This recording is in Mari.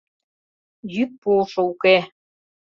Йӱк пуышо уке